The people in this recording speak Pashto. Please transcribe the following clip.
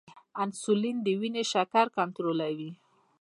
انسولین د وینې شکر کنټرولوي